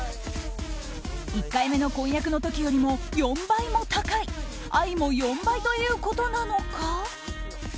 １回目の婚約の時よりも４倍も高い愛も４倍ということなのか？